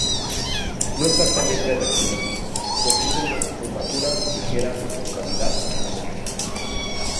No es exactamente rectilíneo, presenta una curvatura ligera de concavidad anterior.